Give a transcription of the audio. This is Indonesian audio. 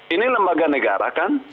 ini lembaga negara kan